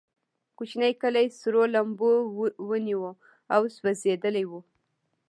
کوچنی کلی سرو لمبو ونیو او سوځېدلی و.